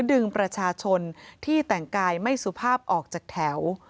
ดึงประชาชนที่แต่งกายไม่สุภาพออกจากแถว